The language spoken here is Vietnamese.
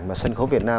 mà sân khấu việt nam